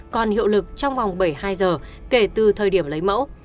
còn hiệu lực trong vòng bảy mươi hai giờ kể từ thời điểm lấy mẫu